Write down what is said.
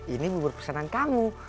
ini bubur pesanan kamu